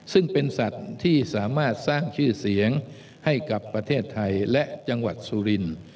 ซึ่งเป็นสัตว์ที่สามารถสร้างชื่อเสียงให้กับประเทศไทยและจังหวัดสุรินทร์